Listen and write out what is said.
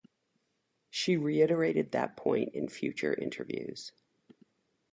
She reiterated that point in future interviews.